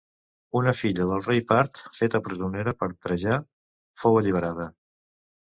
Una filla del rei part, feta presonera per Trajà, fou alliberada.